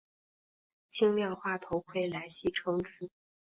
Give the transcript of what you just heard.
轻量化头盔来戏称之。